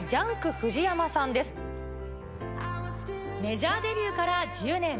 メジャーデビューから１０年。